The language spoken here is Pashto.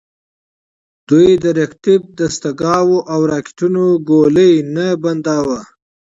دوی د ریکتیف دستګاوو او راکېټونو ګولۍ نه بنداوه.